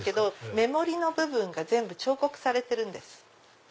目盛りの部分が全部彫刻されてるんです。